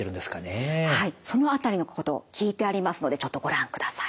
はいその辺りのこと聞いてありますのでちょっとご覧ください。